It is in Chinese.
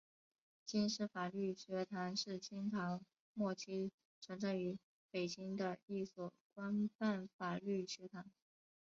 京师法律学堂是清朝末期存在于北京的一所官办法律学堂。